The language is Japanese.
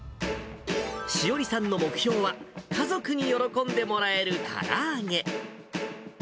詩織さんの目標は、家族に喜んでもらえるから揚げ。